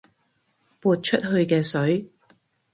潑出去嘅水